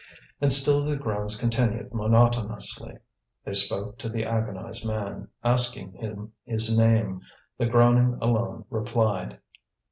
And still the groans continued monotonously. They spoke to the agonized man, asking him his name. The groaning alone replied.